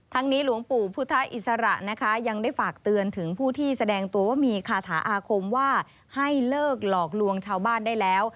นี้หลวงปู่พุทธอิสระนะคะยังได้ฝากเตือนถึงผู้ที่แสดงตัวว่ามีคาถาอาคมว่าให้เลิกหลอกลวงชาวบ้านได้แล้ว